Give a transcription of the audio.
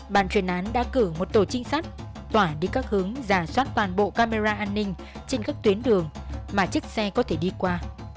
bàn truyền án đã cử một tổ trinh sát tỏa đi các hướng giả soát toàn bộ camera an ninh trên các tuyến đường mà chiếc xe có thể đi qua